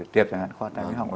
tiệp chẳng hạn kho tài mỹ họng